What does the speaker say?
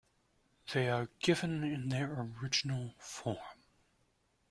They are given in their original form.